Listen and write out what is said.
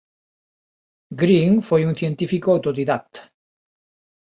Green foi un científico autodidacta.